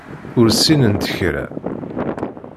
Ur ssinent kra.